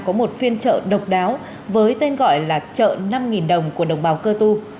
có một phiên chợ độc đáo với tên gọi là chợ năm đồng của đồng bào cơ tu